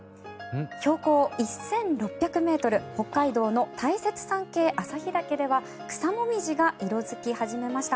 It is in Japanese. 標高１６００ｍ北海道の大雪山系旭岳では草紅葉が色付き始めました。